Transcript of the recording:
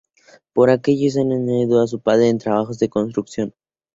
Por aquellos años ayudó a su padre en trabajos de construcción.